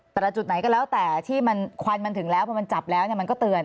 แต่ละจุดไหนก็แล้วแต่ที่มันควันมันถึงแล้วพอมันจับแล้วมันก็เตือน